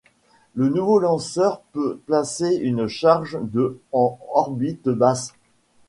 Le nouveau lanceur peut placer une charge de en orbite basse.